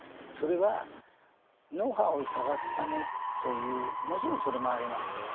それはノウハウを探すためというもちろんそれもあります。